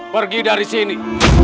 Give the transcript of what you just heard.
pergi dari sini